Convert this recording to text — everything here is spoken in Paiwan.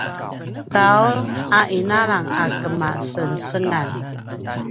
qau a inalang a kemasengesengan